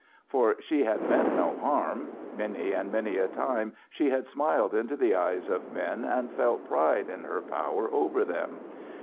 For she had meant no harm. Many and many a time she had smiled into the eyes of men and felt pride in her power over them.